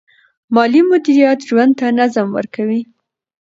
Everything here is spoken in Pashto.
مالي مدیریت ژوند ته نظم ورکوي.